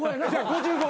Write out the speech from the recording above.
５５。